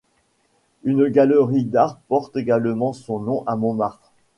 Une galerie d'art porte également son nom à Montmartre.